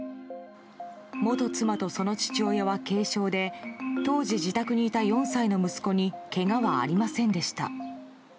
元妻とその父親は軽傷で当時、自宅にいた４歳の息子にけがはありませんでした。